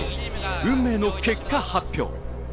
運命の結果発表。